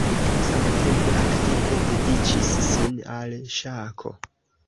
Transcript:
Samtempe aktive dediĉis sin al ŝako.